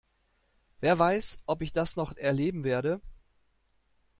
Wer weiß, ob ich das noch erleben werde?